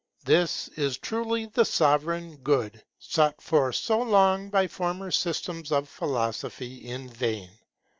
This is truly the Sovereign Good, sought for so long by former systems of philosophy in vain.